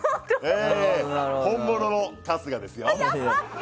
本物の春日ですよ！